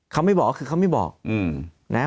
เขาไม่บอกคือเขาไม่บอกนะครับ